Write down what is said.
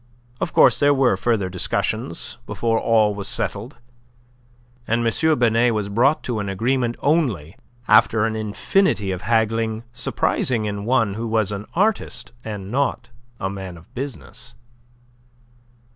Of course there were further discussions, before all was settled, and M. Binet was brought to an agreement only after an infinity of haggling surprising in one who was an artist and not a man of business.